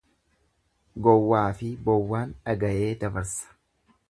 Gowwaafi bowwaan dhagayee dabarsa.